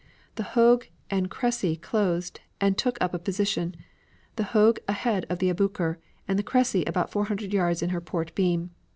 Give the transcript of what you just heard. The Hogue and Cressy closed, and took up a position, the Hogue ahead of the Aboukir, and the Cressy about four hundred yards on her port beam.